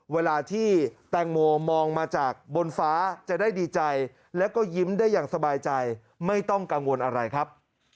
เวลาที่แตงโมมองมาจากบนฟ้าจะได้ดีใจแล้วก็ยิ้มได้อย่างสบายใจไม่ต้องกังวลอะไรครับ